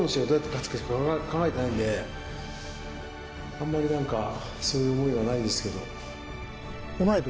あんまりなんかそういう思いはないんですけど。